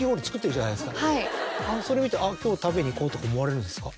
それを見て「今日食べに行こう」とか思われるんですか？